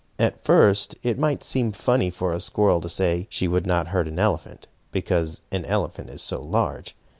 As first it might seem funny for a squirrel to say she would not hurt an elephant, because an elephant is so large.